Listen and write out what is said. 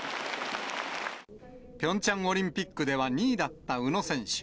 ピョンチャンオリンピックでは２位だった宇野選手。